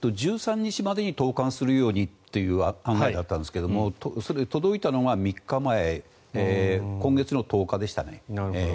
１３日までに投函するようにという案内だったんですがそれ、届いたのが３日前今月の１０日でしたね。